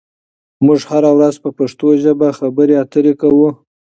موږ هره ورځ په پښتو ژبه خبرې اترې کوو.